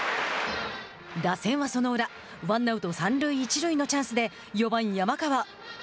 打線は、その裏ワンアウト三塁一塁のチャンスで４番山川。